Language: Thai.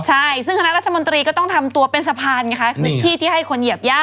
ใช่ซึ่งคณะรัฐมนตรีก็ต้องทำตัวเป็นสะพานไงคะที่ที่ให้คนเหยียบย่า